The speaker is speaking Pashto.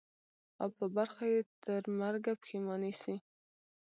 او په برخه یې ترمرګه پښېماني سي